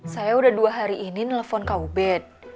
saya sudah dua hari ini nelfon kau bet